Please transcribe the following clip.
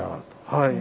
はい。